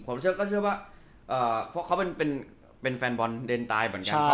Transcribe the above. ผมเชื่อก็เชื่อว่าพวกเขาเป็นแฟนบอลเดนตายเหมือนกัน